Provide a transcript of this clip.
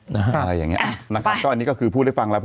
ถ้าแบบนี้ก็จะแบบดูแล